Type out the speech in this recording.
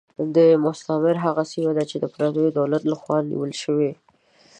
مستعمره هغه سیمه ده چې د پردیو دولت له خوا نیول شوې.